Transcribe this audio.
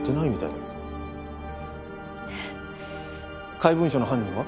怪文書の犯人は？